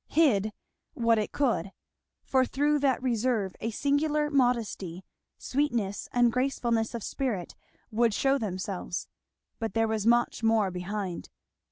Hid, what it could; for through that reserve a singular modesty, sweetness, and gracefulness of spirit would shew themselves. But there was much more behind.